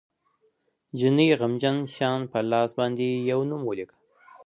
جینۍ غمجنه شان په لاس باندې یو نوم ولیکه